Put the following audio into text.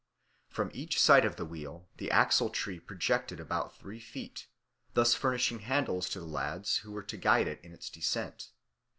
From each side of the wheel the axle tree projected about three feet, thus furnishing handles to the lads who were to guide it in its descent.